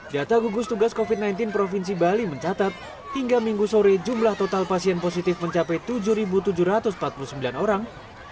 data gugus tugas covid sembilan belas provinsi bali mencatat hingga minggu sore jumlah total pasien positif mencapai tujuh tujuh ratus empat puluh sembilan orang